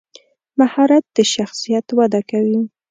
مهارت د شخصیت وده کوي.